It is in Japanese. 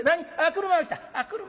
車が来た。